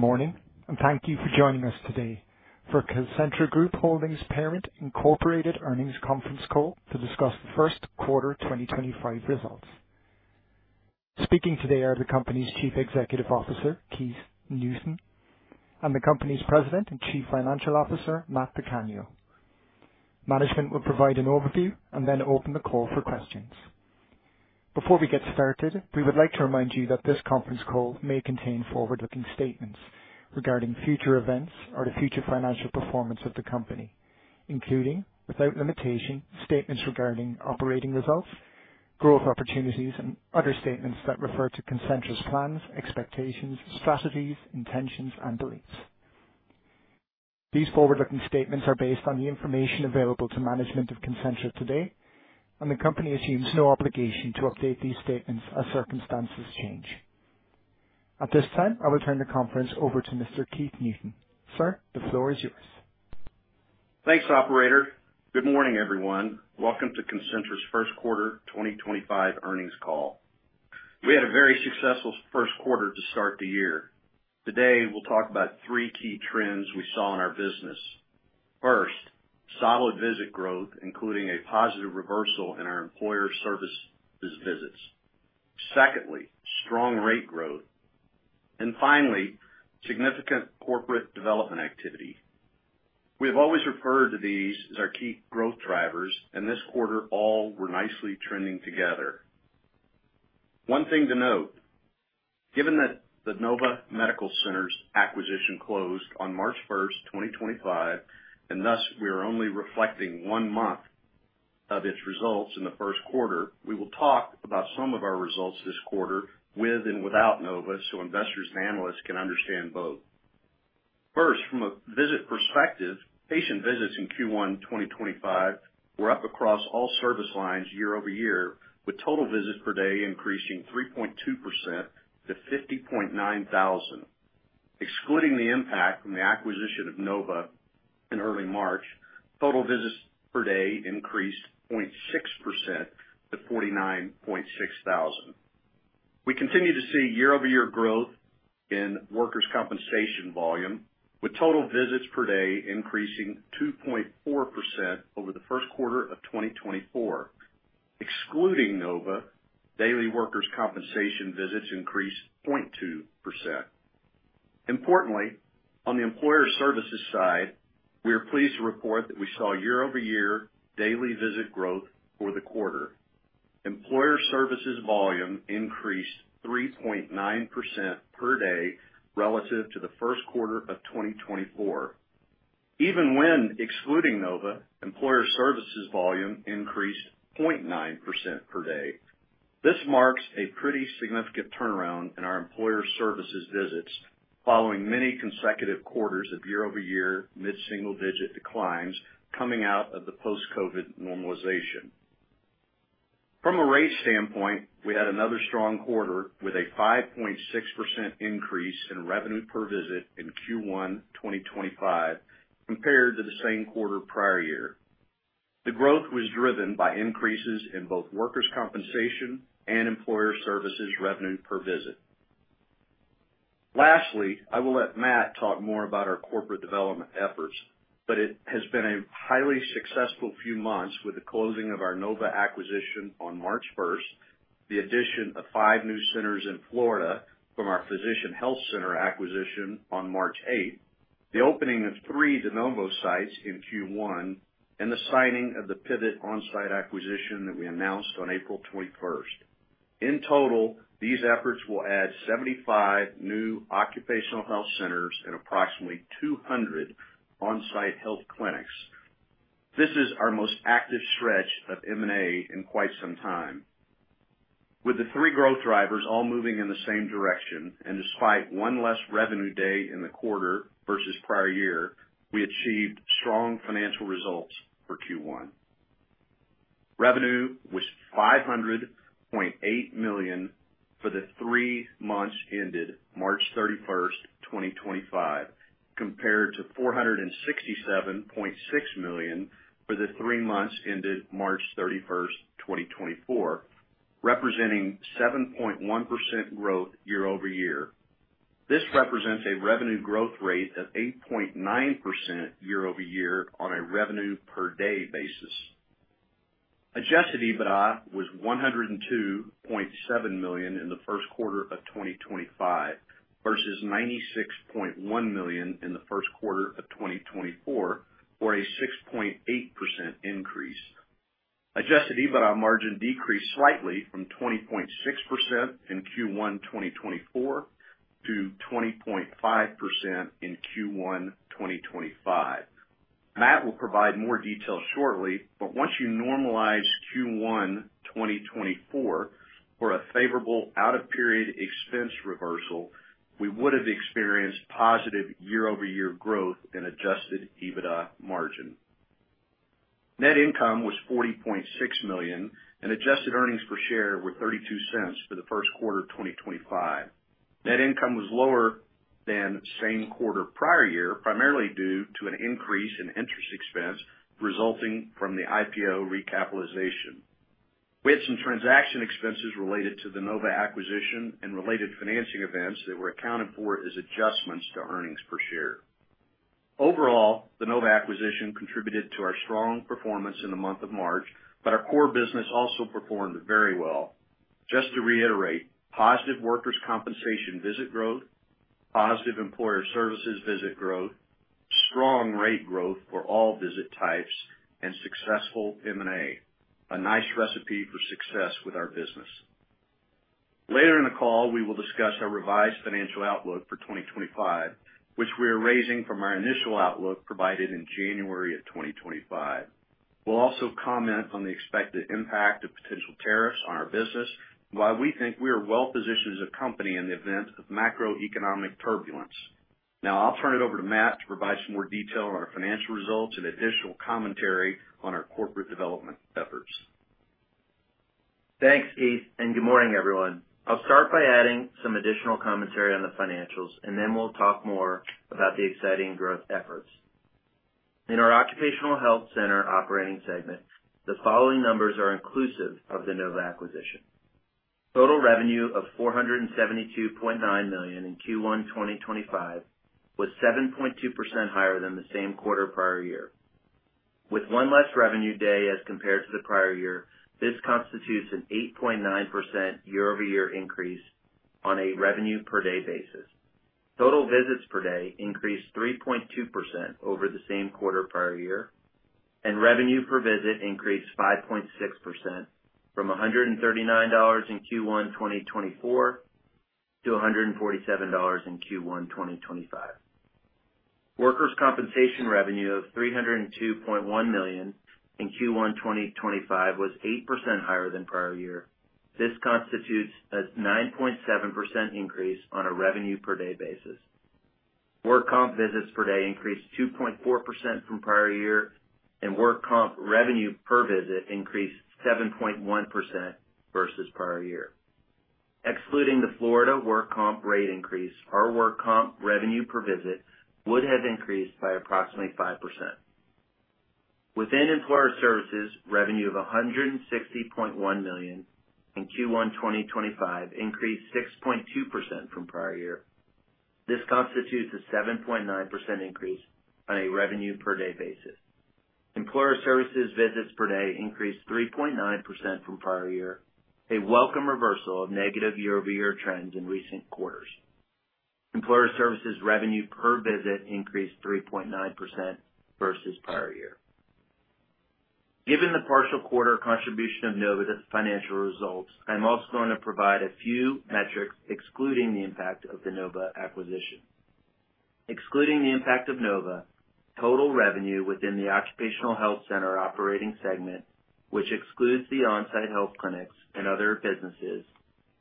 Good morning, and thank you for joining us today for Concentra Group Holdings Parent Incorporated Earnings Conference Call to discuss the first quarter 2025 results. Speaking today are the company's Chief Executive Officer, Keith Newton, and the company's President and Chief Financial Officer, Matt DiCanio. Management will provide an overview and then open the call for questions. Before we get started, we would like to remind you that this conference call may contain forward-looking statements regarding future events or the future financial performance of the company, including, without limitation, statements regarding operating results, growth opportunities, and other statements that refer to Concentra's plans, expectations, strategies, intentions, and beliefs. These forward-looking statements are based on the information available to management of Concentra today, and the company assumes no obligation to update these statements as circumstances change. At this time, I will turn the conference over to Mr. Keith Newton. Sir, the floor is yours. Thanks, Operator. Good morning, everyone. Welcome to Concentra's First Quarter 2025 Earnings Call. We had a very successful first quarter to start the year. Today, we'll talk about three key trends we saw in our business. First, solid visit growth, including a positive reversal in our employer services visits. Secondly, strong rate growth. Finally, significant corporate development activity. We have always referred to these as our key growth drivers, and this quarter all were nicely trending together. One thing to note, given that the Nova Medical Centers acquisition closed on March 1, 2025, and thus we are only reflecting one month of its results in the first quarter, we will talk about some of our results this quarter with and without Nova so investors and analysts can understand both. First, from a visit perspective, patient visits in Q1 2025 were up across all service lines year over year, with total visits per day increasing 3.2% to 50.9 thousand. Excluding the impact from the acquisition of Nova in early March, total visits per day increased 0.6% to 49.6 thousand. We continue to see year-over-year growth in workers' compensation volume, with total visits per day increasing 2.4% over the first quarter of 2024. Excluding Nova, daily workers' compensation visits increased 0.2%. Importantly, on the employer services side, we are pleased to report that we saw year-over-year daily visit growth for the quarter. Employer services volume increased 3.9% per day relative to the first quarter of 2024. Even when excluding Nova, employer services volume increased 0.9% per day. This marks a pretty significant turnaround in our employer services visits following many consecutive quarters of year-over-year mid-single-digit declines coming out of the post-COVID normalization. From a rate standpoint, we had another strong quarter with a 5.6% increase in revenue per visit in Q1 2025 compared to the same quarter prior year. The growth was driven by increases in both workers' compensation and employer services revenue per visit. Lastly, I will let Matt talk more about our corporate development efforts, but it has been a highly successful few months with the closing of our Nova acquisition on March 1st, the addition of five new centers in Florida from our Physician Health Center acquisition on March 8th, the opening of three de novo sites in Q1, and the signing of the Pivot OnSite acquisition that we announced on April 21st. In total, these efforts will add 75 new occupational health centers and approximately 200 onsite health clinics. This is our most active stretch of M&A in quite some time. With the three growth drivers all moving in the same direction, and despite one less revenue day in the quarter versus prior year, we achieved strong financial results for Q1. Revenue was $500.8 million for the three months ended March 31, 2025, compared to $467.6 million for the three months ended March 31, 2024, representing 7.1% growth year-over-year. This represents a revenue growth rate of 8.9% year-over-year on a revenue per day basis. Adjusted EBITDA was $102.7 million in the first quarter of 2025 versus $96.1 million in the first quarter of 2024, or a 6.8% increase. Adjusted EBITDA margin decreased slightly from 20.6% in Q1 2024 to 20.5% in Q1 2025. Matt will provide more details shortly, but once you normalize Q1 2024 for a favorable out-of-period expense reversal, we would have experienced positive year-over-year growth in adjusted EBITDA margin. Net income was $40.6 million, and adjusted earnings per share were $0.32 for the first quarter of 2025. Net income was lower than same quarter prior year, primarily due to an increase in interest expense resulting from the IPO recapitalization. We had some transaction expenses related to the Nova acquisition and related financing events that were accounted for as adjustments to earnings per share. Overall, the Nova acquisition contributed to our strong performance in the month of March, but our core business also performed very well. Just to reiterate, positive workers' compensation visit growth, positive employer services visit growth, strong rate growth for all visit types, and successful M&A. A nice recipe for success with our business. Later in the call, we will discuss our revised financial outlook for 2025, which we are raising from our initial outlook provided in January of 2025. We'll also comment on the expected impact of potential tariffs on our business and why we think we are well-positioned as a company in the event of macroeconomic turbulence. Now, I'll turn it over to Matt to provide some more detail on our financial results and additional commentary on our corporate development efforts. Thanks, Keith, and good morning, everyone. I'll start by adding some additional commentary on the financials, and then we'll talk more about the exciting growth efforts. In our occupational health center operating segment, the following numbers are inclusive of the Nova acquisition. Total revenue of $472.9 million in Q1 2025 was 7.2% higher than the same quarter prior year. With one less revenue day as compared to the prior year, this constitutes an 8.9% year-over-year increase on a revenue per day basis. Total visits per day increased 3.2% over the same quarter prior year, and revenue per visit increased 5.6% from $139 in Q1 2024 to $147 in Q1 2025. Workers' compensation revenue of $302.1 million in Q1 2025 was 8% higher than prior year. This constitutes a 9.7% increase on a revenue per day basis. Work comp visits per day increased 2.4% from prior year, and work comp revenue per visit increased 7.1% versus prior year. Excluding the Florida work comp rate increase, our work comp revenue per visit would have increased by approximately 5%. Within employer services, revenue of $160.1 million in Q1 2025 increased 6.2% from prior year. This constitutes a 7.9% increase on a revenue per day basis. Employer services visits per day increased 3.9% from prior year, a welcome reversal of negative year-over-year trends in recent quarters. Employer services revenue per visit increased 3.9% versus prior year. Given the partial quarter contribution of Nova to the financial results, I'm also going to provide a few metrics excluding the impact of the Nova acquisition. Excluding the impact of Nova, total revenue within the occupational health center operating segment, which excludes the onsite health clinics and other businesses,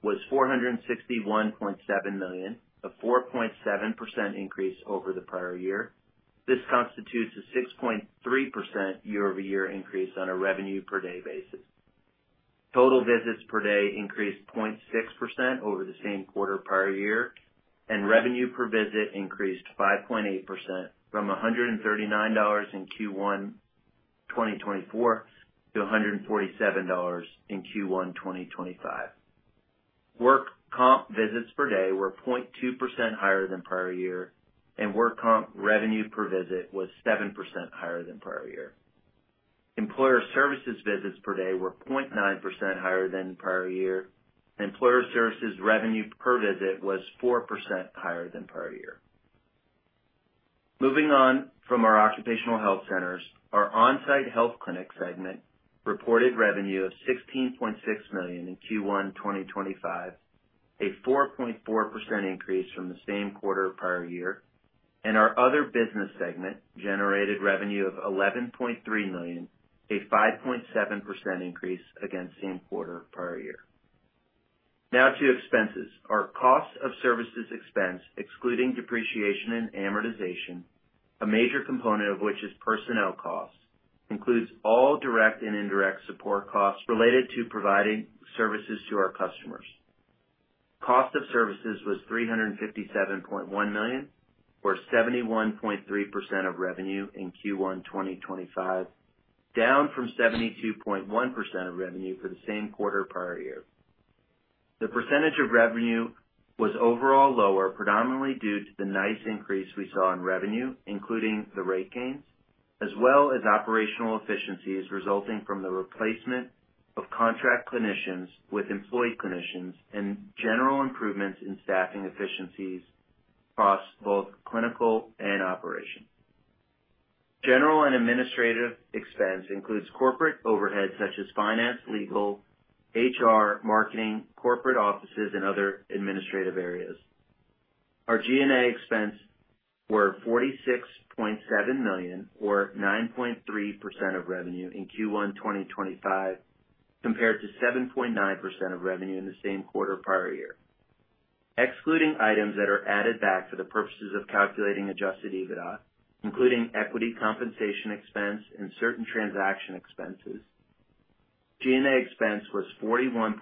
was $461.7 million, a 4.7% increase over the prior year. This constitutes a 6.3% year-over-year increase on a revenue per day basis. Total visits per day increased 0.6% over the same quarter prior year, and revenue per visit increased 5.8% from $139 in Q1 2024 to $147 in Q1 2025. Work comp visits per day were 0.2% higher than prior year, and work comp revenue per visit was 7% higher than prior year. Employer services visits per day were 0.9% higher than prior year, and employer services revenue per visit was 4% higher than prior year. Moving on from our occupational health centers, our onsite health clinic segment reported revenue of $16.6 million in Q1 2025, a 4.4% increase from the same quarter prior year, and our other business segment generated revenue of $11.3 million, a 5.7% increase against same quarter prior year. Now to expenses. Our cost of services expense, excluding depreciation and amortization, a major component of which is personnel costs, includes all direct and indirect support costs related to providing services to our customers. Cost of services was $357.1 million, or 71.3% of revenue in Q1 2025, down from 72.1% of revenue for the same quarter prior year. The percentage of revenue was overall lower, predominantly due to the nice increase we saw in revenue, including the rate gains, as well as operational efficiencies resulting from the replacement of contract clinicians with employed clinicians and general improvements in staffing efficiencies across both clinical and operation. General and administrative expense includes corporate overhead such as finance, legal, HR, marketing, corporate offices, and other administrative areas. Our G&A expense was $46.7 million, or 9.3% of revenue in Q1 2025, compared to 7.9% of revenue in the same quarter prior year. Excluding items that are added back for the purposes of calculating adjusted EBITDA, including equity compensation expense and certain transaction expenses, G&A expense was $41.2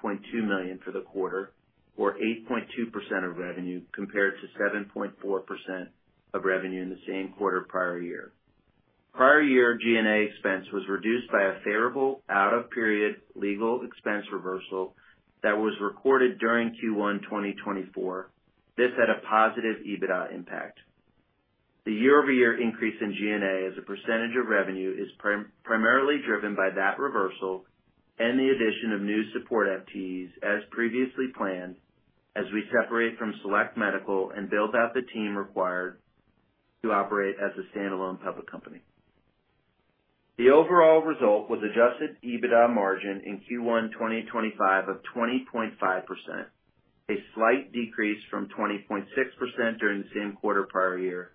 million for the quarter, or 8.2% of revenue, compared to 7.4% of revenue in the same quarter prior year. Prior year G&A expense was reduced by a favorable out-of-period legal expense reversal that was recorded during Q1 2024. This had a positive EBITDA impact. The year-over-year increase in G&A as a percentage of revenue is primarily driven by that reversal and the addition of new support FTEs as previously planned, as we separate from Select Medical and build out the team required to operate as a standalone public company. The overall result was adjusted EBITDA margin in Q1 2025 of 20.5%, a slight decrease from 20.6% during the same quarter prior year.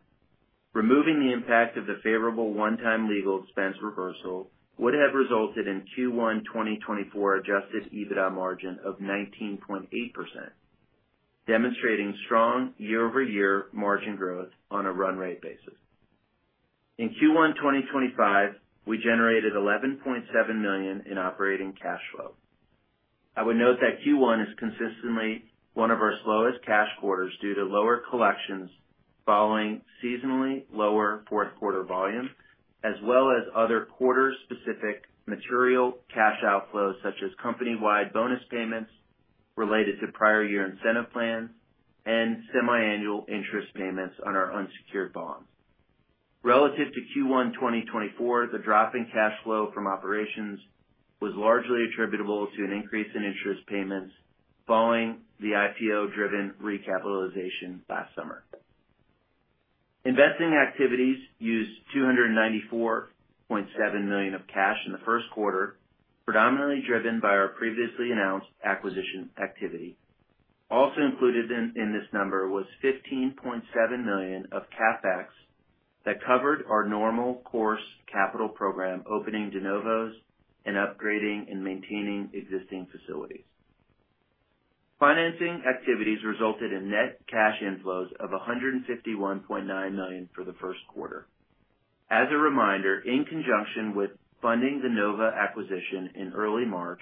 Removing the impact of the favorable one-time legal expense reversal would have resulted in Q1 2024 adjusted EBITDA margin of 19.8%, demonstrating strong year-over-year margin growth on a run rate basis. In Q1 2025, we generated $11.7 million in operating cash flow. I would note that Q1 is consistently one of our slowest cash quarters due to lower collections following seasonally lower fourth quarter volume, as well as other quarter-specific material cash outflows such as company-wide bonus payments related to prior year incentive plans and semi-annual interest payments on our unsecured bonds. Relative to Q1 2024, the drop in cash flow from operations was largely attributable to an increase in interest payments following the IPO-driven recapitalization last summer. Investing activities used $294.7 million of cash in the first quarter, predominantly driven by our previously announced acquisition activity. Also included in this number was $15.7 million of CapEx that covered our normal course capital program opening de novos and upgrading and maintaining existing facilities. Financing activities resulted in net cash inflows of $151.9 million for the first quarter. As a reminder, in conjunction with funding the Nova acquisition in early March,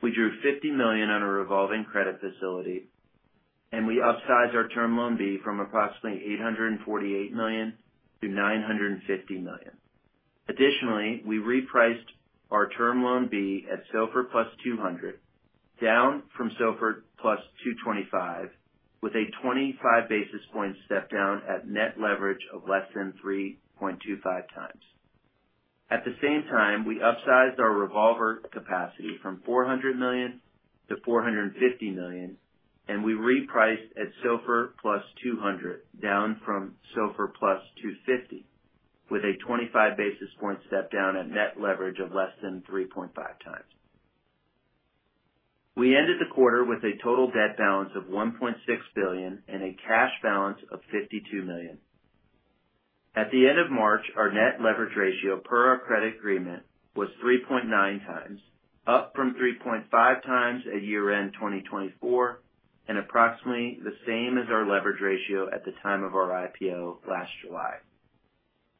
we drew $50 million on a revolving credit facility, and we upsized our term loan B from approximately $848 million-$950 million. Additionally, we repriced our term loan B at SOFR plus 200, down from SOFR plus 225, with a 25 basis points step down at net leverage of less than 3.25 times. At the same time, we upsized our revolver capacity from $400 million-$450 million, and we repriced at SOFR plus 200, down from SOFR plus 250, with a 25 basis points step down at net leverage of less than 3.5 times. We ended the quarter with a total debt balance of $1.6 billion and a cash balance of $52 million. At the end of March, our net leverage ratio per our credit agreement was 3.9 times, up from 3.5 times at year-end 2024 and approximately the same as our leverage ratio at the time of our IPO last July.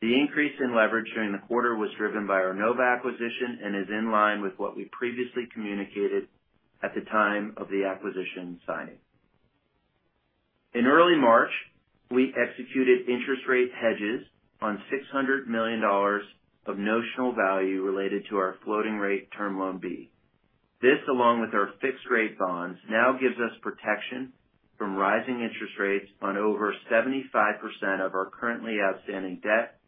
The increase in leverage during the quarter was driven by our Nova acquisition and is in line with what we previously communicated at the time of the acquisition signing. In early March, we executed interest rate hedges on $600 million of notional value related to our floating rate term loan B. This, along with our fixed-rate bonds, now gives us protection from rising interest rates on over 75% of our currently outstanding debt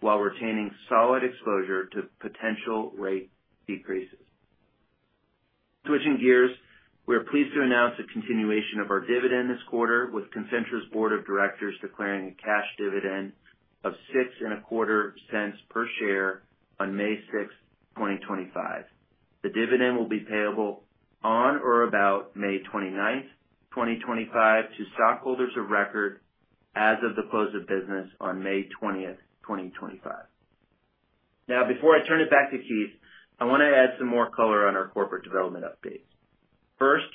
while retaining solid exposure to potential rate decreases. Switching gears, we're pleased to announce a continuation of our dividend this quarter, with Concentra's Board of Directors declaring a cash dividend of $0.0625 per share on May 6, 2025. The dividend will be payable on or about May 29, 2025, to stockholders of record as of the close of business on May 20, 2025. Now, before I turn it back to Keith, I want to add some more color on our corporate development updates. First,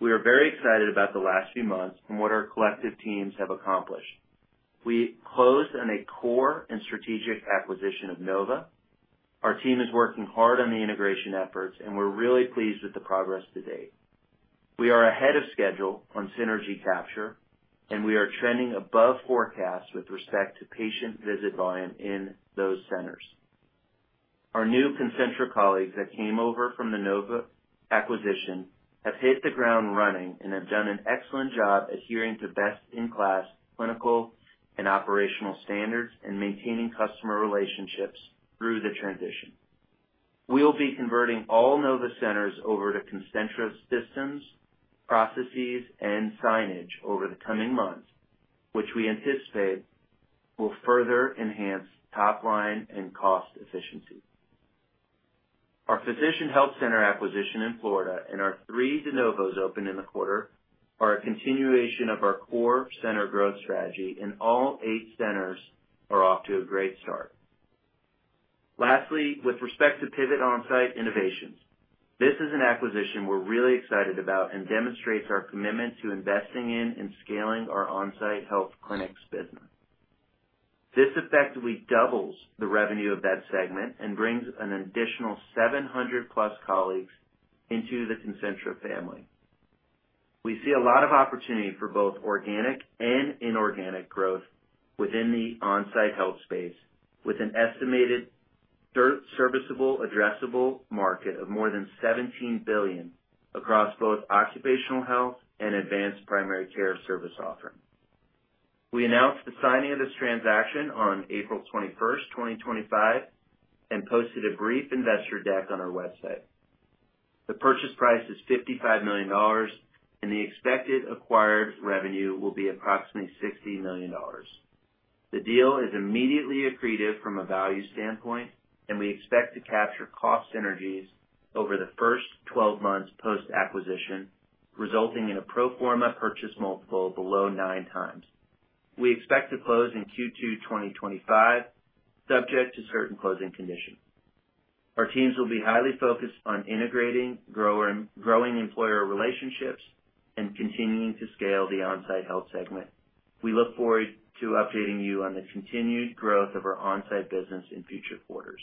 we are very excited about the last few months and what our collective teams have accomplished. We closed on a core and strategic acquisition of Nova Medical Centers. Our team is working hard on the integration efforts, and we're really pleased with the progress to date. We are ahead of schedule on synergy capture, and we are trending above forecasts with respect to patient visit volume in those centers. Our new Concentra colleagues that came over from the Nova acquisition have hit the ground running and have done an excellent job adhering to best-in-class clinical and operational standards and maintaining customer relationships through the transition. We'll be converting all Nova centers over to Concentra systems, processes, and signage over the coming months, which we anticipate will further enhance top-line and cost efficiency. Our Physician Health Center acquisition in Florida and our three de novos opened in the quarter are a continuation of our core center growth strategy, and all eight centers are off to a great start. Lastly, with respect to Pivot OnSite Innovations, this is an acquisition we're really excited about and demonstrates our commitment to investing in and scaling our onsite health clinics business. This effectively doubles the revenue of that segment and brings an additional 700-plus colleagues into the Concentra family. We see a lot of opportunity for both organic and inorganic growth within the onsite health space, with an estimated serviceable, addressable market of more than $17 billion across both occupational health and advanced primary care service offering. We announced the signing of this transaction on April 21, 2025, and posted a brief investor deck on our website. The purchase price is $55 million, and the expected acquired revenue will be approximately $60 million. The deal is immediately accretive from a value standpoint, and we expect to capture cost synergies over the first 12 months post-acquisition, resulting in a pro forma purchase multiple below nine times. We expect to close in Q2 2025, subject to certain closing conditions. Our teams will be highly focused on integrating growing employer relationships and continuing to scale the onsite health segment. We look forward to updating you on the continued growth of our onsite business in future quarters.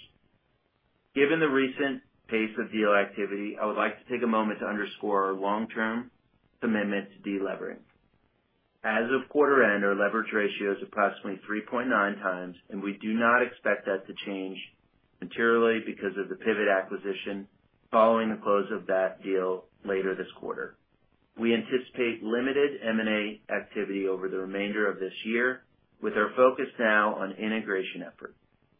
Given the recent pace of deal activity, I would like to take a moment to underscore our long-term commitment to deleveraging. As of quarter end, our leverage ratio is approximately 3.9 times, and we do not expect that to change materially because of the Pivot acquisition following the close of that deal later this quarter. We anticipate limited M&A activity over the remainder of this year, with our focus now on integration efforts.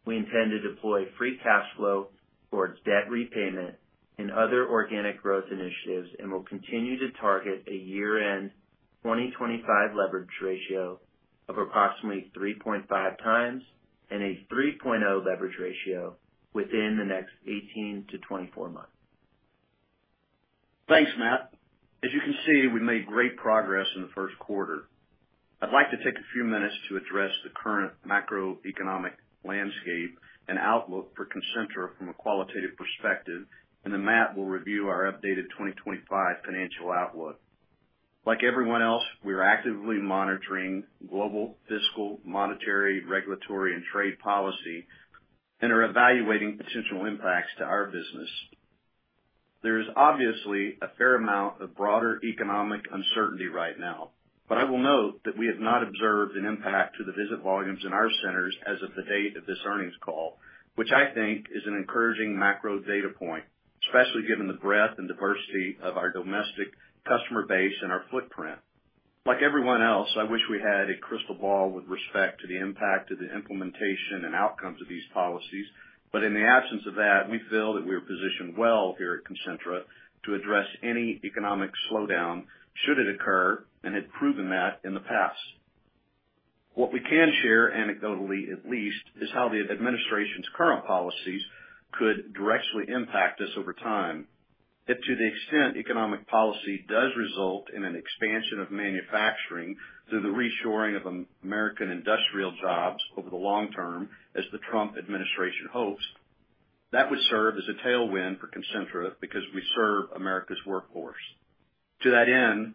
We intend to deploy free cash flow towards debt repayment and other organic growth initiatives and will continue to target a year-end 2025 leverage ratio of approximately 3.5 times and a 3.0 leverage ratio within the next 18 to 24 months. Thanks, Matt. As you can see, we made great progress in the first quarter. I'd like to take a few minutes to address the current macroeconomic landscape and outlook for Concentra from a qualitative perspective, and then Matt will review our updated 2025 financial outlook. Like everyone else, we are actively monitoring global fiscal, monetary, regulatory, and trade policy and are evaluating potential impacts to our business. There is obviously a fair amount of broader economic uncertainty right now, but I will note that we have not observed an impact to the visit volumes in our centers as of the date of this earnings call, which I think is an encouraging macro data point, especially given the breadth and diversity of our domestic customer base and our footprint. Like everyone else, I wish we had a crystal ball with respect to the impact of the implementation and outcomes of these policies, but in the absence of that, we feel that we are positioned well here at Concentra to address any economic slowdown should it occur and have proven that in the past. What we can share anecdotally, at least, is how the administration's current policies could directly impact us over time. To the extent economic policy does result in an expansion of manufacturing through the reshoring of American industrial jobs over the long term, as the Trump administration hopes, that would serve as a tailwind for Concentra because we serve America's workforce. To that end,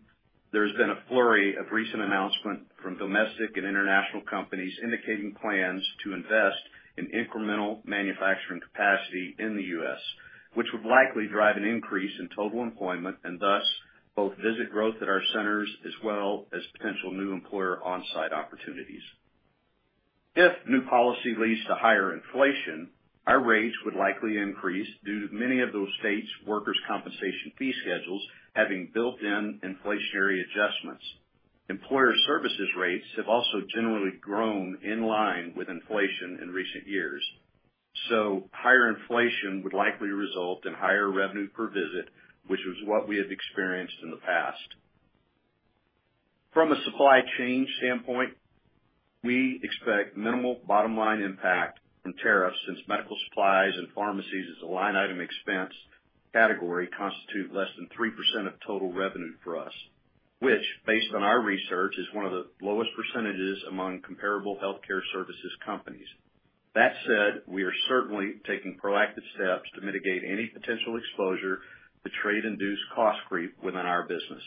there has been a flurry of recent announcements from domestic and international companies indicating plans to invest in incremental manufacturing capacity in the U.S., which would likely drive an increase in total employment and thus both visit growth at our centers as well as potential new employer onsite opportunities. If new policy leads to higher inflation, our rates would likely increase due to many of those states' workers' compensation fee schedules having built-in inflationary adjustments. Employer services rates have also generally grown in line with inflation in recent years, so higher inflation would likely result in higher revenue per visit, which was what we have experienced in the past. From a supply chain standpoint, we expect minimal bottom-line impact from tariffs since medical supplies and pharmacies as a line item expense category constitute less than 3% of total revenue for us, which, based on our research, is one of the lowest percentages among comparable healthcare services companies. That said, we are certainly taking proactive steps to mitigate any potential exposure to trade-induced cost creep within our business.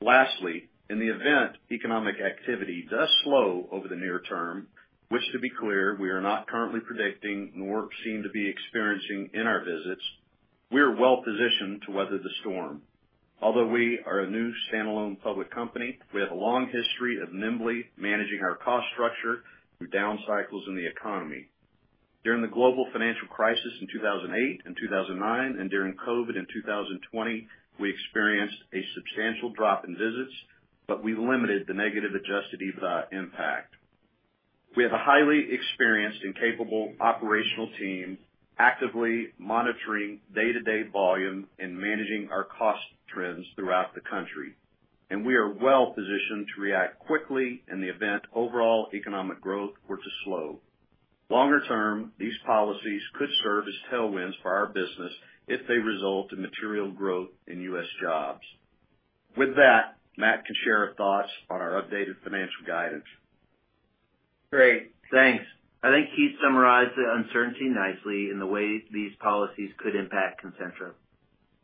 Lastly, in the event economic activity does slow over the near term, which, to be clear, we are not currently predicting nor seem to be experiencing in our visits, we are well positioned to weather the storm. Although we are a new standalone public company, we have a long history of nimbly managing our cost structure through down cycles in the economy. During the global financial crisis in 2008 and 2009, and during COVID in 2020, we experienced a substantial drop in visits, but we limited the negative adjusted EBITDA impact. We have a highly experienced and capable operational team actively monitoring day-to-day volume and managing our cost trends throughout the country, and we are well positioned to react quickly in the event overall economic growth were to slow. Longer term, these policies could serve as tailwinds for our business if they result in material growth in U.S. jobs. With that, Matt can share thoughts on our updated financial guidance. Great. Thanks. I think Keith summarized the uncertainty nicely in the way these policies could impact Concentra.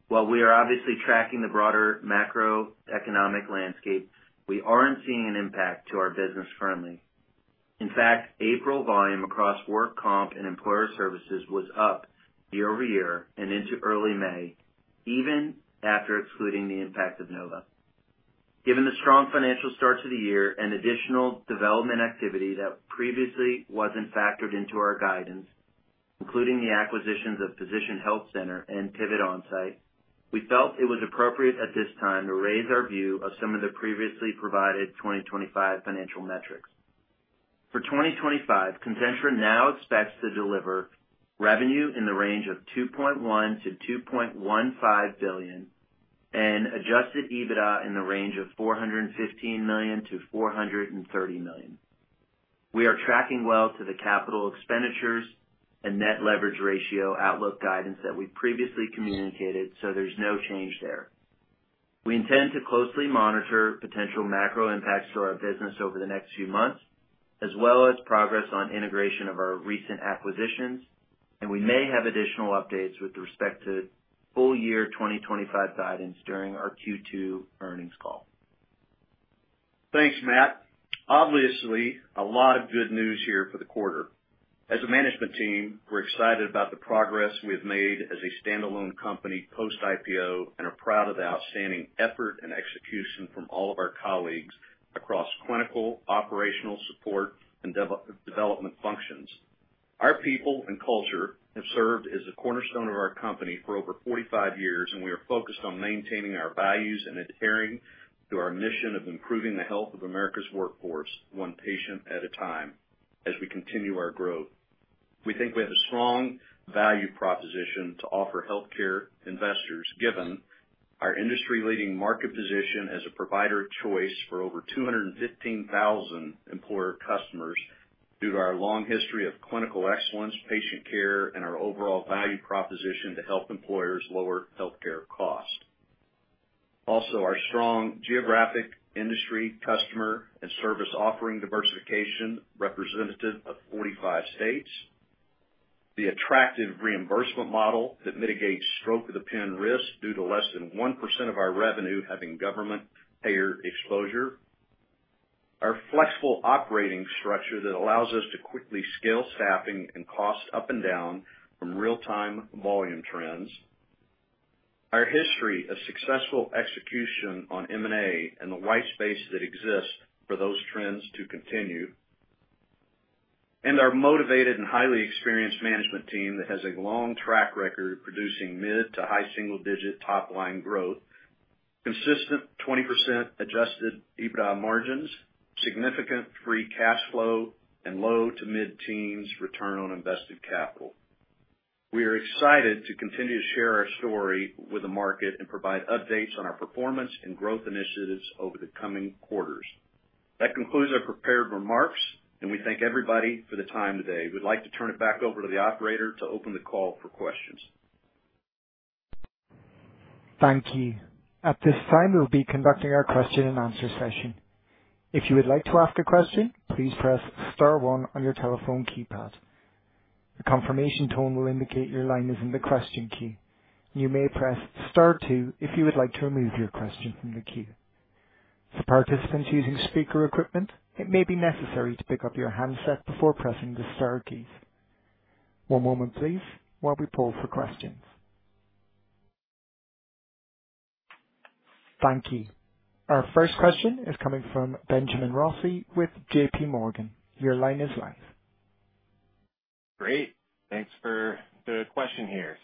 While we are obviously tracking the broader macroeconomic landscape, we aren't seeing an impact to our business currently. In fact, April volume across work comp and employer services was up year over year and into early May, even after excluding the impact of Nova. Given the strong financial start to the year and additional development activity that previously was not factored into our guidance, including the acquisitions of Physician Health Center and Pivot Onsite, we felt it was appropriate at this time to raise our view of some of the previously provided 2025 financial metrics. For 2025, Concentra now expects to deliver revenue in the range of $2.1 billion-$2.15 billion and adjusted EBITDA in the range of $415 million-$430 million. We are tracking well to the capital expenditures and net leverage ratio outlook guidance that we previously communicated, so there is no change there. We intend to closely monitor potential macro impacts to our business over the next few months, as well as progress on integration of our recent acquisitions, and we may have additional updates with respect to full year 2025 guidance during our Q2 earnings call. Thanks, Matt. Obviously, a lot of good news here for the quarter. As a management team, we're excited about the progress we've made as a standalone company post-IPO and are proud of the outstanding effort and execution from all of our colleagues across clinical, operational, support, and development functions. Our people and culture have served as the cornerstone of our company for over 45 years, and we are focused on maintaining our values and adhering to our mission of improving the health of America's workforce, one patient at a time, as we continue our growth. We think we have a strong value proposition to offer healthcare investors, given our industry-leading market position as a provider of choice for over 215,000 employer customers due to our long history of clinical excellence, patient care, and our overall value proposition to help employers lower healthcare costs. Also, our strong geographic, industry, customer, and service offering diversification, representative of 45 states, the attractive reimbursement model that mitigates stroke-of-the-pen risk due to less than 1% of our revenue having government-payer exposure, our flexible operating structure that allows us to quickly scale staffing and cost up and down from real-time volume trends, our history of successful execution on M&A and the white space that exists for those trends to continue, and our motivated and highly experienced management team that has a long track record of producing mid to high single-digit top-line growth, consistent 20% adjusted EBITDA margins, significant free cash flow, and low to mid-teens return on invested capital. We are excited to continue to share our story with the market and provide updates on our performance and growth initiatives over the coming quarters. That concludes our prepared remarks, and we thank everybody for the time today. We'd like to turn it back over to the operator to open the call for questions. Thank you. At this time, we'll be conducting our question-and-answer session. If you would like to ask a question, please press star one on your telephone keypad. The confirmation tone will indicate your line is in the question queue, and you may press star two if you would like to remove your question from the queue. For participants using speaker equipment, it may be necessary to pick up your handset before pressing the Star keys. One moment, please, while we pull for questions. Thank you. Our first question is coming from Benjamin Rossi with JP Morgan. Your line is live. Great. Thanks for the question here.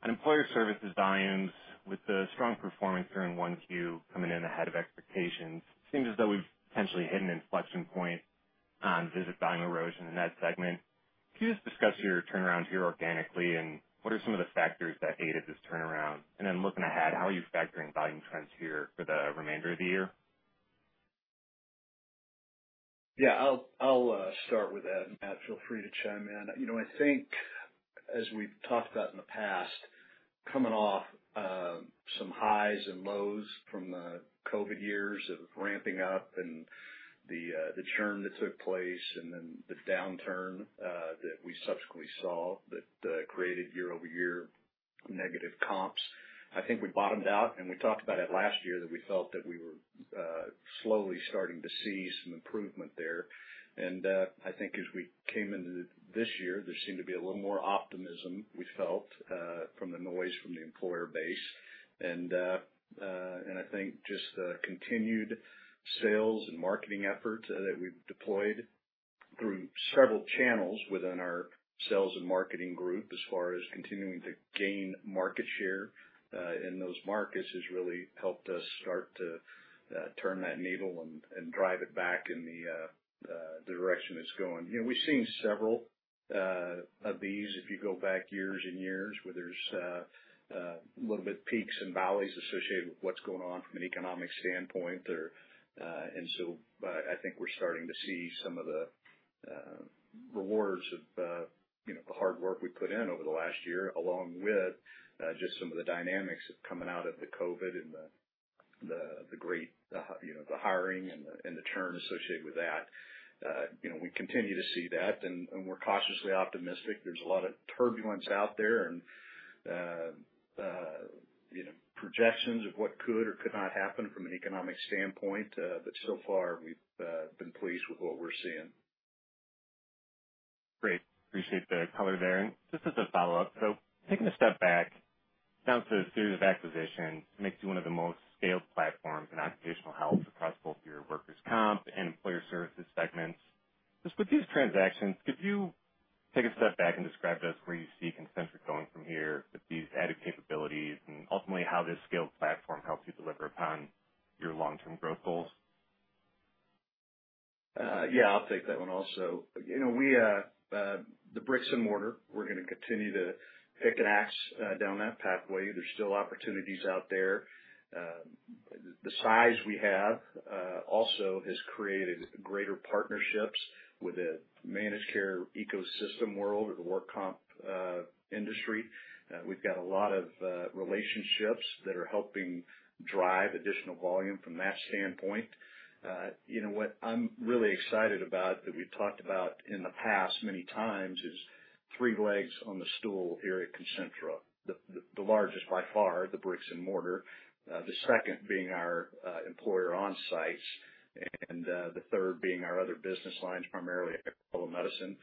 On employer services volumes, with the strong performance here in Q1 coming in ahead of expectations, it seems as though we've potentially hit an inflection point on visit volume erosion in that segment. Can you just discuss your turnaround here organically and what are some of the factors that aided this turnaround? Looking ahead, how are you factoring volume trends here for the remainder of the year? Yeah, I'll start with that, Matt. Feel free to chime in. I think, as we've talked about in the past, coming off some highs and lows from the COVID years of ramping up and the churn that took place and then the downturn that we subsequently saw that created year-over-year negative comps, I think we bottomed out. We talked about it last year that we felt that we were slowly starting to see some improvement there. I think as we came into this year, there seemed to be a little more optimism we felt from the noise from the employer base. I think just the continued sales and marketing efforts that we've deployed through several channels within our sales and marketing group as far as continuing to gain market share in those markets has really helped us start to turn that needle and drive it back in the direction it's going. We've seen several of these if you go back years and years where there's a little bit peaks and valleys associated with what's going on from an economic standpoint. I think we're starting to see some of the rewards of the hard work we put in over the last year, along with just some of the dynamics that are coming out of the COVID and the great hiring and the churn associated with that. We continue to see that, and we're cautiously optimistic. There's a lot of turbulence out there and projections of what could or could not happen from an economic standpoint, but so far, we've been pleased with what we're seeing. Great. Appreciate the color there. Just as a follow-up, taking a step back, down to series of acquisitions, it makes you one of the most scaled platforms in occupational health across both your workers' comp and employer services segments. Just with these transactions, could you take a step back and describe to us where you see Concentra going from here with these added capabilities and ultimately how this scaled platform helps you deliver upon your long-term growth goals? Yeah, I'll take that one also. The bricks and mortar, we're going to continue to pick and axe down that pathway. There's still opportunities out there. The size we have also has created greater partnerships with the managed care ecosystem world, the work comp industry. We've got a lot of relationships that are helping drive additional volume from that standpoint. You know what I'm really excited about that we've talked about in the past many times is three legs on the stool here at Concentra, the largest by far, the bricks and mortar, the second being our employer onsites and the third being our other business lines, primarily medical and medicine.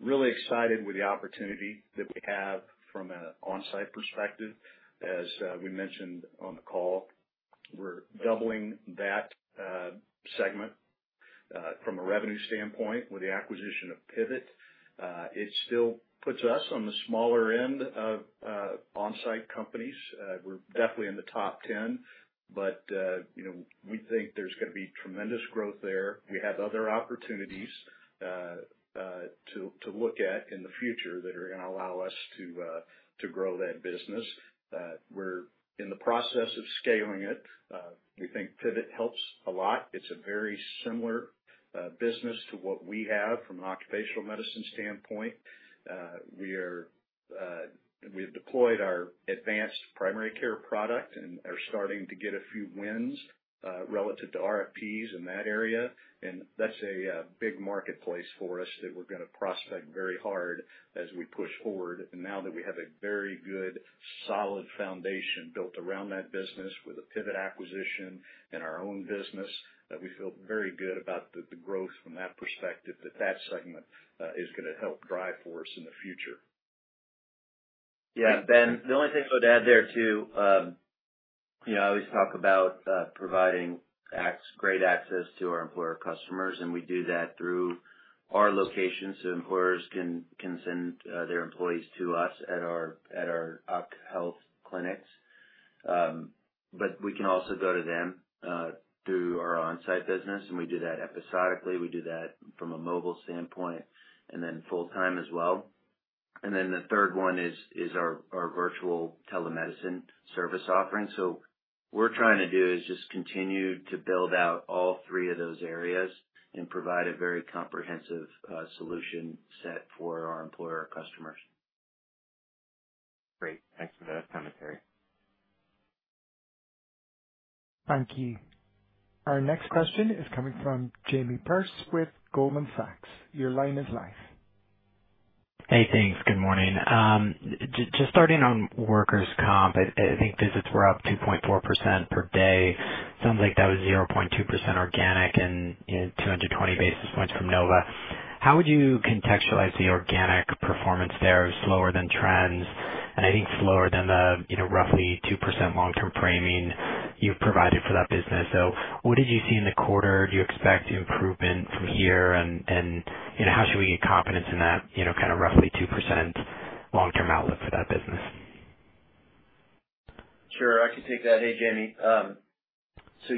Really excited with the opportunity that we have from an onsite perspective. As we mentioned on the call, we're doubling that segment from a revenue standpoint with the acquisition of Pivot. It still puts us on the smaller end of onsite companies. We're definitely in the top 10, but we think there's going to be tremendous growth there. We have other opportunities to look at in the future that are going to allow us to grow that business. We're in the process of scaling it. We think Pivot helps a lot. It's a very similar business to what we have from an occupational medicine standpoint. We have deployed our advanced primary care product and are starting to get a few wins relative to RFPs in that area. That is a big marketplace for us that we're going to prospect very hard as we push forward. Now that we have a very good solid foundation built around that business with a Pivot acquisition and our own business, we feel very good about the growth from that perspective that that segment is going to help drive for us in the future. Yeah. Ben, the only thing I would add there too, I always talk about providing great access to our employer customers, and we do that through our location. Employers can send their employees to us at our occupational health clinics, but we can also go to them through our onsite business, and we do that episodically. We do that from a mobile standpoint and then full-time as well. The third one is our virtual telemedicine service offering. So what we're trying to do is just continue to build out all three of those areas and provide a very comprehensive solution set for our employer customers. Great. Thanks for the commentary. Thank you. Our next question is coming from Jamie Peirce with Goldman Sachs. Your line is live. Hey, thanks. Good morning. Just starting on workers' comp, I think visits were up 2.4% per day. It sounds like that was 0.2% organic and 220 basis points from Nova. How would you contextualize the organic performance there? Slower than trends, and I think slower than the roughly 2% long-term framing you've provided for that business. What did you see in the quarter? Do you expect improvement from here? How should we get confidence in that kind of roughly 2% long-term outlook for that business? Sure. I can take that. Hey, Jamie.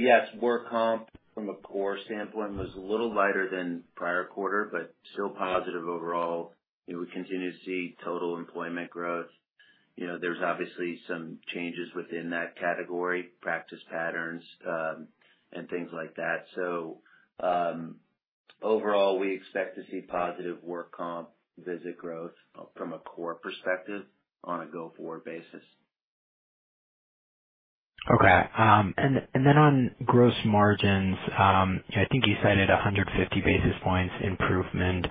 Yes, work comp from a core standpoint was a little lighter than prior quarter, but still positive overall. We continue to see total employment growth. There are obviously some changes within that category, practice patterns, and things like that. Overall, we expect to see positive work comp visit growth from a core perspective on a go-forward basis. Okay. On gross margins, I think you cited 150 basis points improvement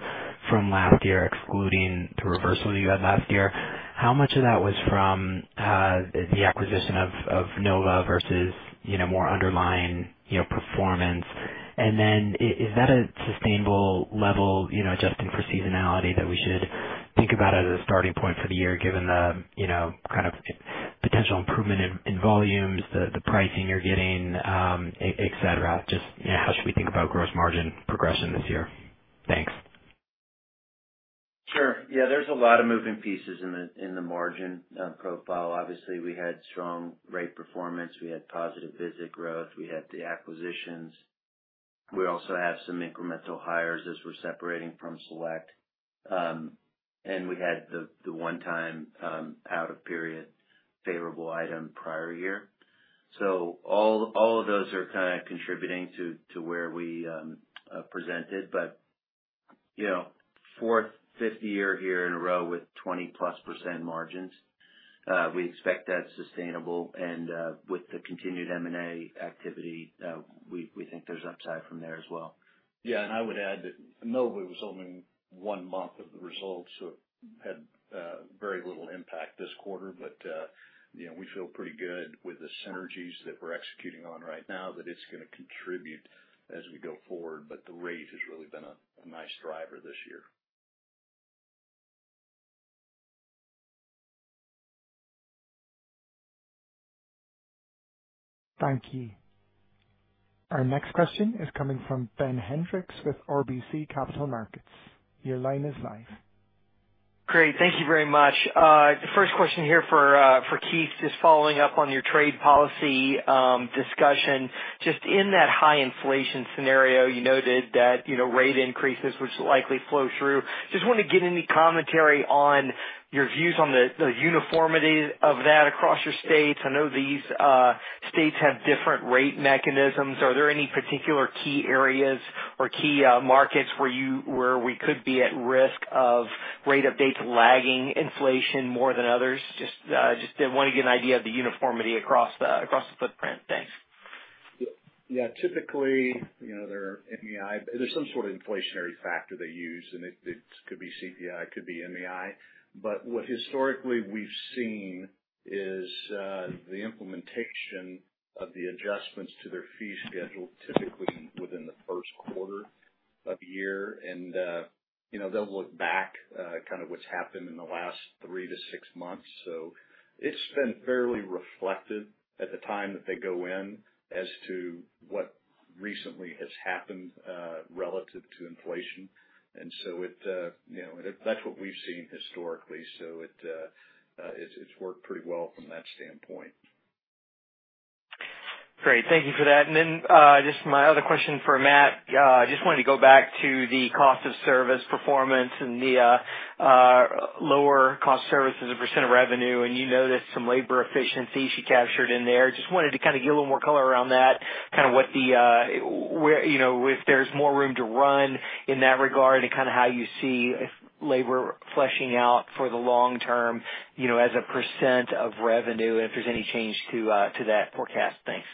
from last year, excluding the reversal you had last year. How much of that was from the acquisition of Nova versus more underlying performance? Is that a sustainable level, just in for seasonality that we should think about as a starting point for the year, given the kind of potential improvement in volumes, the pricing you are getting, etc.? How should we think about gross margin progression this year? Thanks. Sure. Yeah, there's a lot of moving pieces in the margin profile. Obviously, we had strong rate performance. We had positive visit growth. We had the acquisitions. We also have some incremental hires as we're separating from Select Medical. We had the one-time out-of-period favorable item prior year. All of those are kind of contributing to where we presented. Fourth, fifth year here in a row with 20+% margins, we expect that's sustainable. With the continued M&A activity, we think there's upside from there as well. Yeah. I would add that Nova was only one month of the results, so it had very little impact this quarter. We feel pretty good with the synergies that we're executing on right now that it's going to contribute as we go forward. The rate has really been a nice driver this year. Thank you. Our next question is coming from Ben Hendrix with RBC Capital Markets. Your line is live. Great. Thank you very much. The first question here for Keith is following up on your trade policy discussion. Just in that high inflation scenario, you noted that rate increases, which likely flow through. Just want to get any commentary on your views on the uniformity of that across your states. I know these states have different rate mechanisms. Are there any particular key areas or key markets where we could be at risk of rate updates lagging inflation more than others? Just want to get an idea of the uniformity across the footprint. Thanks. Yeah. Typically, there are MEI. There's some sort of inflationary factor they use, and it could be CPI, could be MEI. What historically we have seen is the implementation of the adjustments to their fee schedule typically within the first quarter of the year. They will look back at kind of what has happened in the last three to six months. It has been fairly reflective at the time that they go in as to what recently has happened relative to inflation. That is what we have seen historically. It has worked pretty well from that standpoint. Great. Thank you for that. My other question for Matt, I just wanted to go back to the cost of service performance and the lower cost of service as a percent of revenue. You noticed some labor efficiency she captured in there. Just wanted to kind of get a little more color around that, kind of what the, if there's more room to run in that regard and kind of how you see labor fleshing out for the long term as a percent of revenue, and if there's any change to that forecast. Thanks.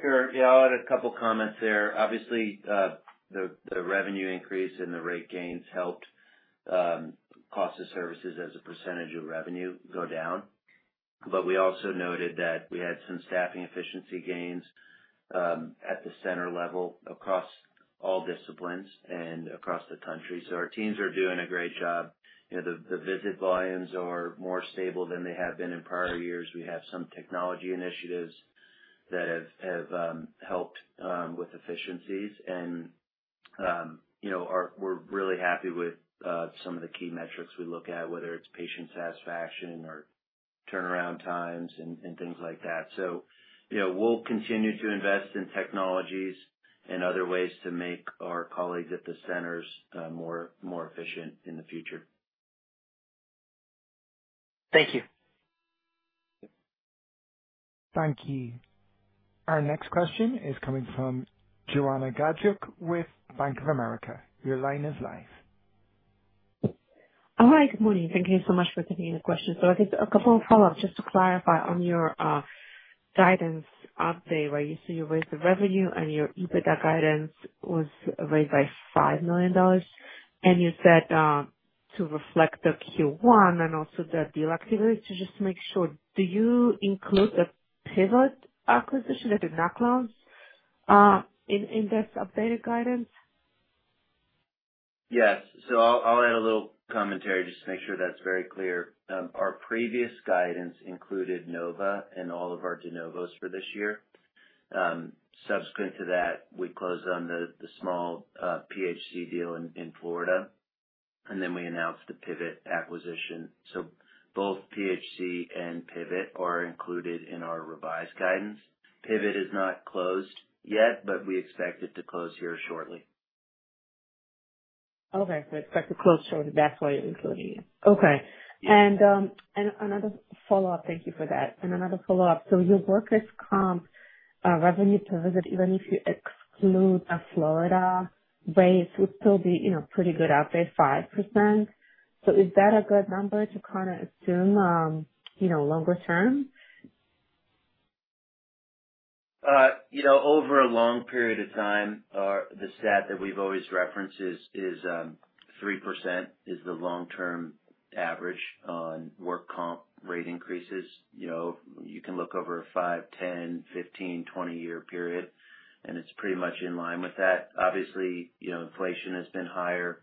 Sure. Yeah, I'll add a couple of comments there. Obviously, the revenue increase and the rate gains helped cost of services as a percentage of revenue go down. We also noted that we had some staffing efficiency gains at the center level across all disciplines and across the country. Our teams are doing a great job. The visit volumes are more stable than they have been in prior years. We have some technology initiatives that have helped with efficiencies. We're really happy with some of the key metrics we look at, whether it's patient satisfaction or turnaround times and things like that. We'll continue to invest in technologies and other ways to make our colleagues at the centers more efficient in the future. Thank you. Thank you. Our next question is coming from Joanna Gajuk with Bank of America. Your line is live. Hi. Good morning. Thank you so much for taking the question. I guess a couple of follow-ups just to clarify on your guidance update where you say you raised the revenue and your EBITDA guidance was raised by $5 million. You said to reflect the Q1 and also the deal activity. To just make sure, do you include the Pivot acquisition, the knock-on index updated guidance? Yes. I'll add a little commentary just to make sure that's very clear. Our previous guidance included Nova and all of our de novos for this year. Subsequent to that, we closed on the small PHC deal in Florida, and then we announced the Pivot acquisition. Both PHC and Pivot are included in our revised guidance. Pivot is not closed yet, but we expect it to close here shortly. Okay. Expect to close shortly. That is why you are including it. Okay. Thank you for that. Another follow-up. Your workers' comp revenue per visit, even if you exclude the Florida rate, would still be pretty good at 5%. Is that a good number to kind of assume longer term? Over a long period of time, the stat that we have always referenced is 3% is the long-term average on work comp rate increases. You can look over a 5, 10, 15, 20-year period, and it's pretty much in line with that. Obviously, inflation has been higher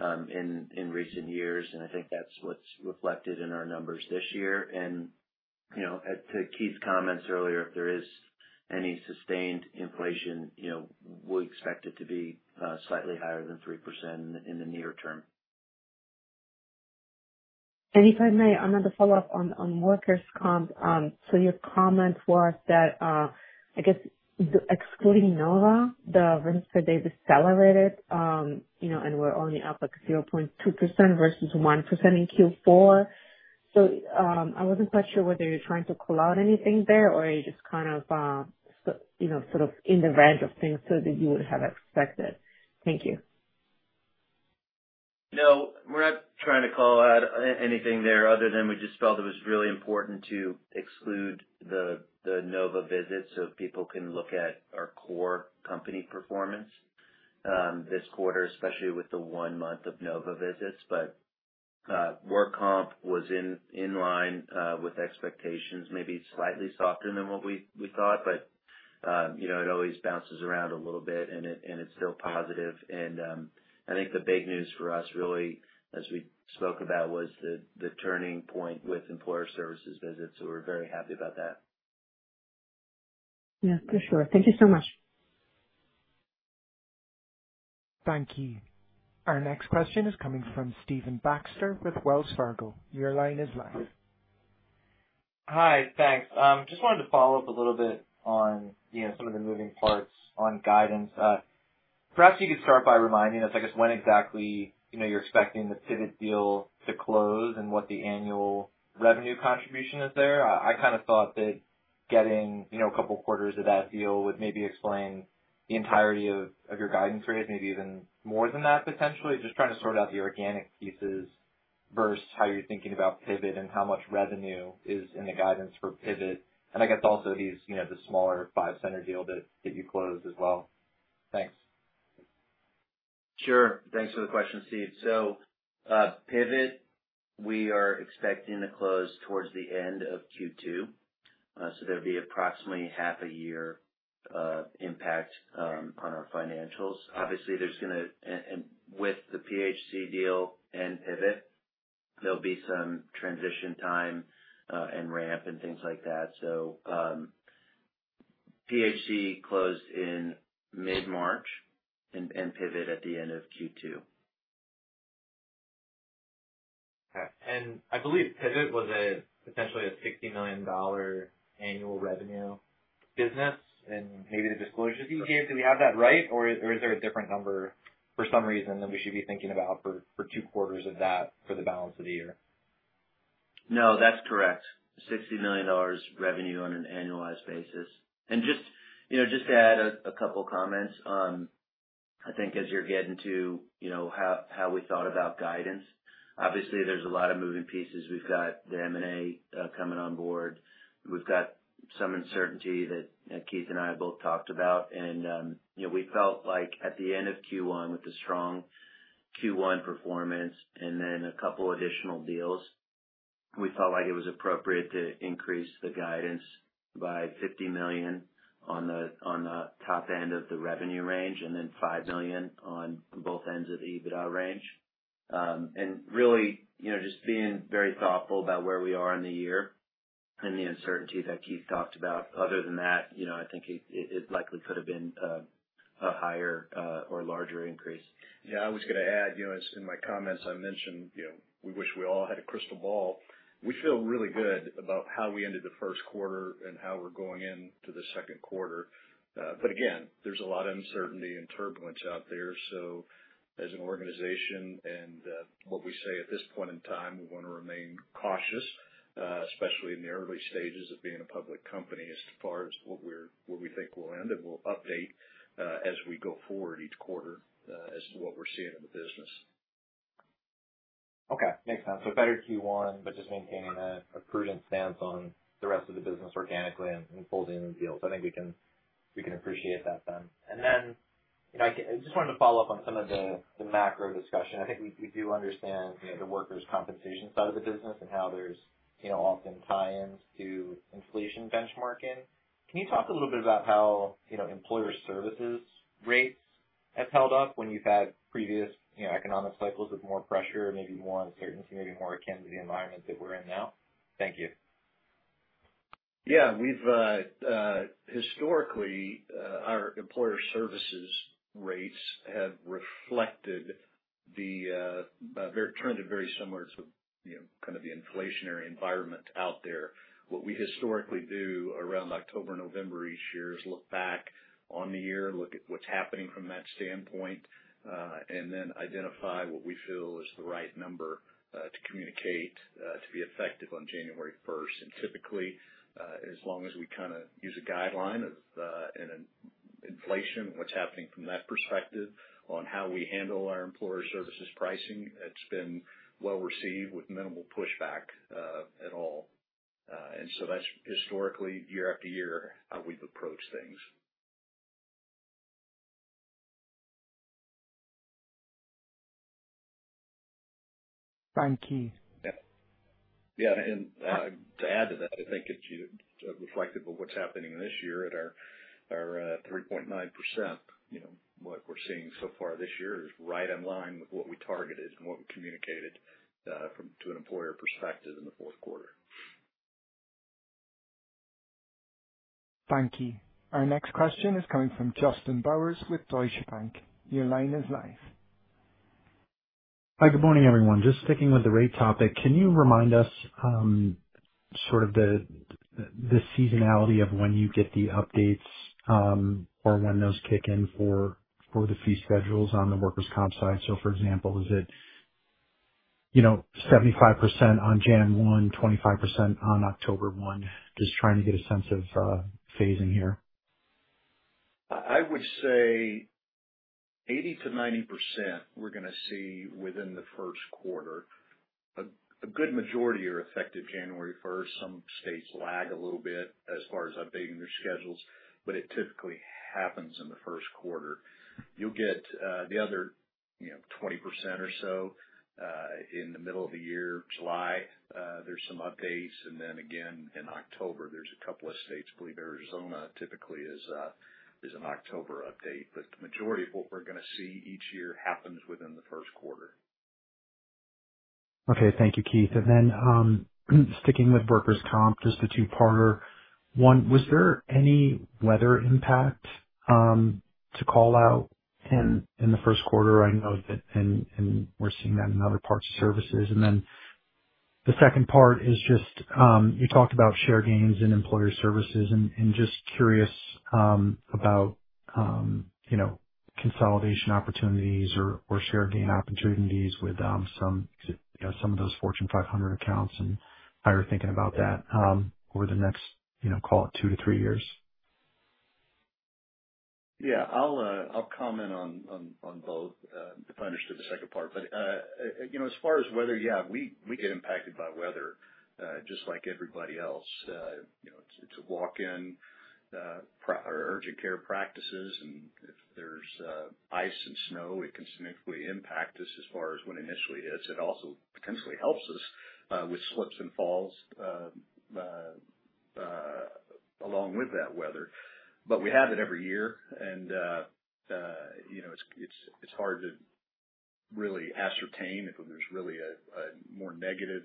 in recent years, and I think that's what's reflected in our numbers this year. To Keith's comments earlier, if there is any sustained inflation, we expect it to be slightly higher than 3% in the near term. Anytime I want to follow up on workers' comp. So your comment was that, I guess, excluding Nova, the rents per day decelerated, and were only up 0.2% versus 1% in Q4. I wasn't quite sure whether you're trying to call out anything there or you just kind of sort of in the range of things that you would have expected. Thank you. No, we're not trying to call out anything there other than we just felt it was really important to exclude the Nova visits so people can look at our core company performance this quarter, especially with the one month of Nova visits. Work comp was in line with expectations, maybe slightly softer than what we thought, but it always bounces around a little bit, and it's still positive. I think the big news for us really, as we spoke about, was the turning point with employer services visits. We're very happy about that. Yeah, for sure. Thank you so much. Thank you. Our next question is coming from Stephen Baxter with Wells Fargo. Your line is live. Hi. Thanks. Just wanted to follow up a little bit on some of the moving parts on guidance. Perhaps you could start by reminding us, I guess, when exactly you're expecting the Pivot deal to close and what the annual revenue contribution is there. I kind of thought that getting a couple of quarters of that deal would maybe explain the entirety of your guidance rate, maybe even more than that, potentially. Just trying to sort out the organic pieces versus how you're thinking about Pivot and how much revenue is in the guidance for Pivot. I guess also the smaller five-center deal that you closed as well. Thanks. Sure. Thanks for the question, Steph. Pivot, we are expecting to close towards the end of Q2. There will be approximately half a year of impact on our financials. Obviously, with the PHC deal and Pivot, there will be some transition time and ramp and things like that. PHC closed in mid-March and Pivot at the end of Q2. Okay. I believe Pivot was potentially a $60 million annual revenue business. Maybe the disclosures you gave, do we have that right? Or is there a different number for some reason that we should be thinking about for two quarters of that for the balance of the year? No, that's correct. $60 million revenue on an annualized basis. Just to add a couple of comments, I think as you're getting to how we thought about guidance, obviously, there's a lot of moving pieces. We've got the M&A coming on board. We've got some uncertainty that Keith and I have both talked about. We felt like at the end of Q1, with the strong Q1 performance and then a couple of additional deals, we felt like it was appropriate to increase the guidance by $50 million on the top end of the revenue range and $5 million on both ends of the EBITDA range. Really, just being very thoughtful about where we are in the year and the uncertainty that Keith talked about. Other than that, I think it likely could have been a higher or larger increase. Yeah. I was going to add, in my comments, I mentioned we wish we all had a crystal ball. We feel really good about how we ended the first quarter and how we're going into the second quarter. Again, there is a lot of uncertainty and turbulence out there. As an organization and what we say at this point in time, we want to remain cautious, especially in the early stages of being a public company as far as where we think we will end. We will update as we go forward each quarter as to what we are seeing in the business. Okay. Makes sense. Better Q1, but just maintaining a prudent stance on the rest of the business organically and folding in the deals. I think we can appreciate that then. I just wanted to follow up on some of the macro discussion. I think we do understand the workers' compensation side of the business and how there is often tie-ins to inflation benchmarking. Can you talk a little bit about how employer services rates have held up when you've had previous economic cycles with more pressure, maybe more uncertainty, maybe more akin to the environment that we're in now? Thank you. Yeah. Historically, our employer services rates have reflected the trend, very similar to kind of the inflationary environment out there. What we historically do around October and November each year is look back on the year, look at what's happening from that standpoint, and then identify what we feel is the right number to communicate to be effective on January 1. Typically, as long as we kind of use a guideline in inflation and what's happening from that perspective on how we handle our employer services pricing, it's been well received with minimal pushback at all. That's historically, year after year, how we've approached things. Thank you. Yeah. To add to that, I think it's reflective of what's happening this year at our 3.9%. What we're seeing so far this year is right in line with what we targeted and what we communicated from an employer perspective in the fourth quarter. Thank you. Our next question is coming from Justin Bowers with Deutsche Bank. Your line is live. Hi. Good morning, everyone. Just sticking with the rate topic, can you remind us sort of the seasonality of when you get the updates or when those kick in for the fee schedules on the workers' comp side? For example, is it 75% on January 1, 25% on October 1? Just trying to get a sense of phasing here. I would say 80-90% we're going to see within the first quarter. A good majority are effective January 1. Some states lag a little bit as far as updating their schedules, but it typically happens in the first quarter. You'll get the other 20% or so in the middle of the year, July. There are some updates. Then again, in October, there are a couple of states, I believe Arizona typically is an October update. The majority of what we're going to see each year happens within the first quarter. Okay. Thank you, Keith. Sticking with workers' comp, just the two-parter. One, was there any weather impact to call out in the first quarter? I know that and we're seeing that in other parts of services. The second part is just you talked about share gains in employer services and just curious about consolidation opportunities or share gain opportunities with some of those Fortune 500 accounts and how you're thinking about that over the next, call it, two to three years. Yeah. I'll comment on both if I understood the second part. As far as weather, yeah, we get impacted by weather just like everybody else. It's a walk-in, urgent care practices. If there's ice and snow, it can significantly impact us as far as when it initially hits. It also potentially helps us with slips and falls along with that weather. We have it every year. It's hard to really ascertain if there's really a more negative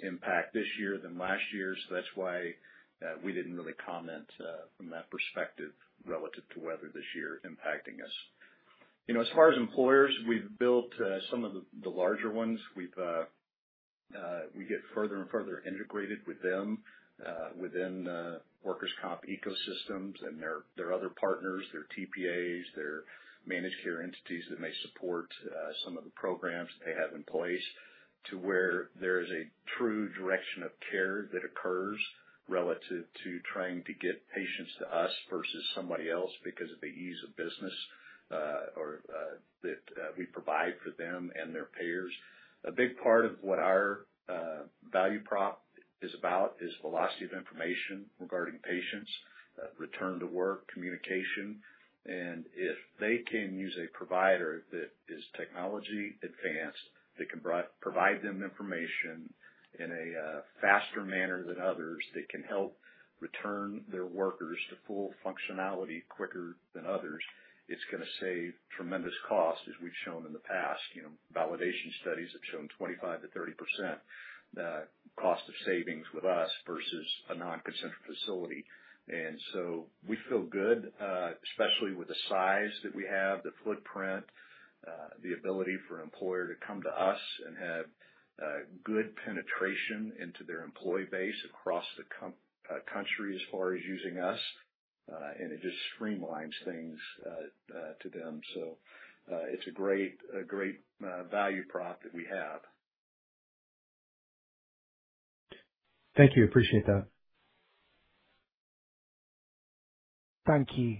impact this year than last year. That is why we did not really comment from that perspective relative to weather this year impacting us. As far as employers, we have built some of the larger ones. We get further and further integrated with them within workers' comp ecosystems and their other partners, their TPAs, their managed care entities that may support some of the programs that they have in place to where there is a true direction of care that occurs relative to trying to get patients to us versus somebody else because of the ease of business that we provide for them and their payers. A big part of what our value prop is about is velocity of information regarding patients, return to work, communication. If they can use a provider that is technology advanced that can provide them information in a faster manner than others that can help return their workers to full functionality quicker than others, it's going to save tremendous cost, as we've shown in the past. Validation studies have shown 25%-30% cost of savings with us versus a non-Concentra facility. We feel good, especially with the size that we have, the footprint, the ability for an employer to come to us and have good penetration into their employee base across the country as far as using us. It just streamlines things to them. It's a great value prop that we have. Thank you. Appreciate that. Thank you.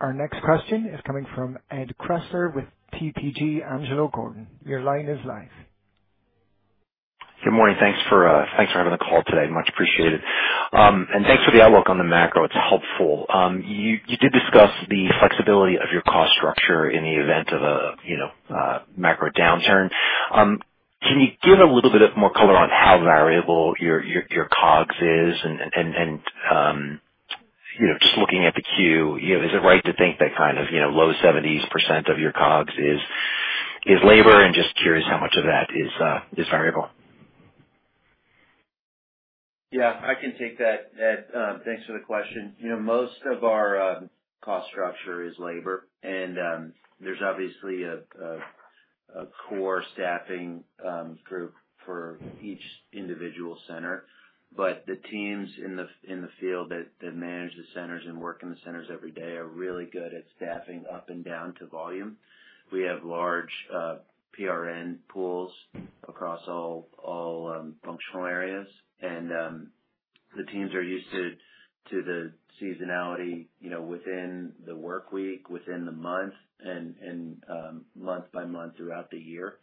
Our next question is coming from Ed Kressler with TPG Angelo Gordon. Your line is live. Good morning. Thanks for having the call today. Much appreciated. Thanks for the outlook on the macro. It's helpful. You did discuss the flexibility of your cost structure in the event of a macro downturn. Can you give a little bit more color on how variable your COGS is? Just looking at the Q, is it right to think that kind of low 70s % of your COGS is labor? Just curious how much of that is variable. Yeah. I can take that. Thanks for the question. Most of our cost structure is labor. There's obviously a core staffing group for each individual center. The teams in the field that manage the centers and work in the centers every day are really good at staffing up and down to volume. We have large PRN pools across all functional areas. The teams are used to the seasonality within the work week, within the month, and month by month throughout the year.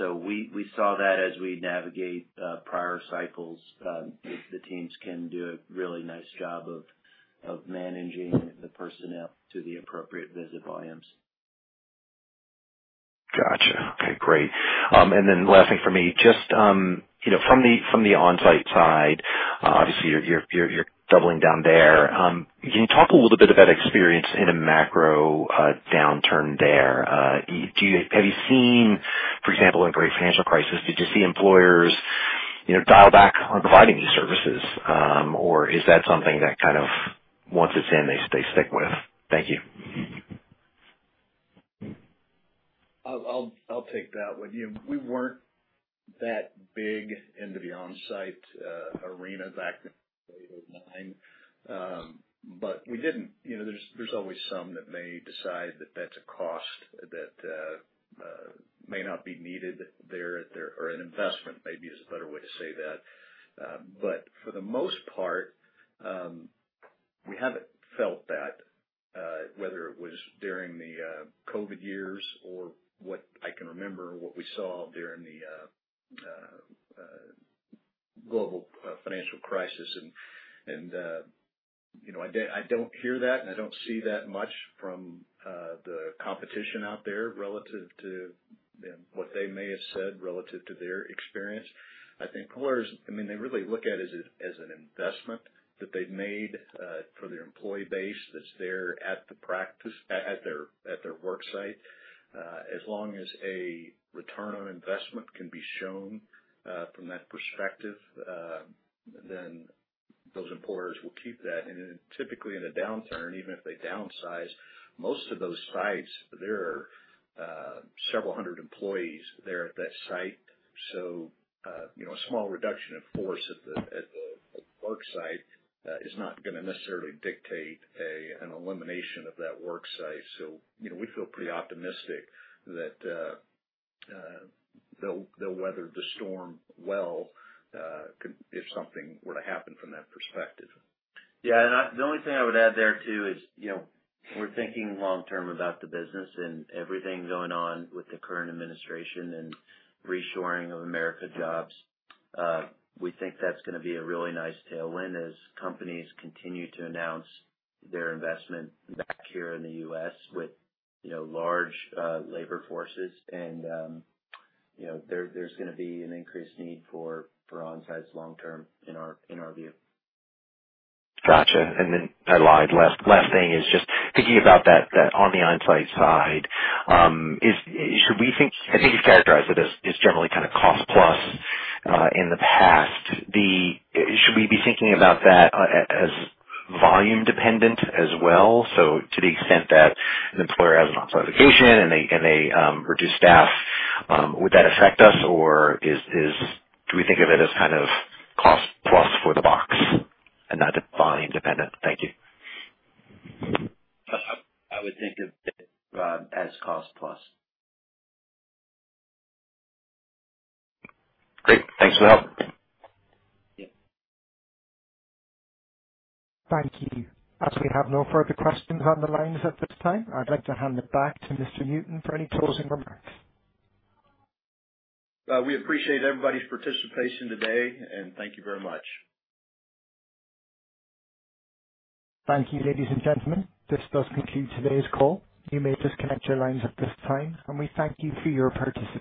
We saw that as we navigate prior cycles. The teams can do a really nice job of managing the personnel to the appropriate visit volumes. Gotcha. Okay. Great. Last thing for me, just from the onsite side, obviously, you're doubling down there. Can you talk a little bit about experience in a macro downturn there? Have you seen, for example, in a great financial crisis, did you see employers dial back on providing these services? Or is that something that kind of once it's in, they stick with? Thank you. I'll take that one. We were not that big into the onsite arena back in 2008 or 2009. We did not. There's always some that may decide that that's a cost that may not be needed there or an investment maybe is a better way to say that. For the most part, we haven't felt that, whether it was during the COVID years or what I can remember, what we saw during the global financial crisis. I don't hear that, and I don't see that much from the competition out there relative to what they may have said relative to their experience. I think employers, I mean, they really look at it as an investment that they've made for their employee base that's there at their worksite. As long as a return on investment can be shown from that perspective, then those employers will keep that. Typically, in a downturn, even if they downsize, most of those sites, there are several hundred employees there at that site. A small reduction in force at the worksite is not going to necessarily dictate an elimination of that worksite. We feel pretty optimistic that they'll weather the storm well if something were to happen from that perspective. Yeah. The only thing I would add there too is we're thinking long-term about the business and everything going on with the current administration and reshoring of America jobs. We think that's going to be a really nice tailwind as companies continue to announce their investment back here in the U.S. with large labor forces. There's going to be an increased need for onsite long-term in our view. Gotcha. I lied. Last thing is just thinking about that on the onsite side. Should we think, I think you've characterized it as generally kind of cost-plus in the past. Should we be thinking about that as volume-dependent as well? To the extent that an employer has an onsite location and they reduce staff, would that affect us? Or do we think of it as kind of cost-plus for the box and not volume-dependent? Thank you. I would think of it as cost-plus. Great. Thanks for the help. Thank you. As we have no further questions on the lines at this time, I would like to hand it back to Mr. Newton for any closing remarks. We appreciate everybody's participation today. Thank you very much. Thank you, ladies and gentlemen. This does conclude today's call. You may disconnect your lines at this time. We thank you for your participation.